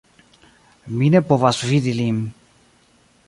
Mi ne povas vidi lin